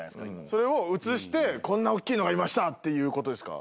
それを映してこんなおっきいのがいました！っていう事ですか？